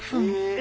え！